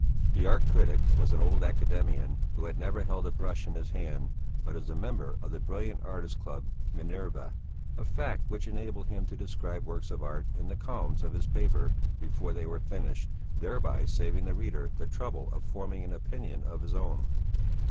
The art critic was an old academician who had never held a brush in his hand, but was a member of the brilliant artists club "Minerva," a fact which enabled him to describe works of art in the columns of his paper before they were finished, thereby saving the reader the trouble of forming an opinion of his own.